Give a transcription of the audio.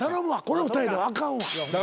この２人ではあかんわ。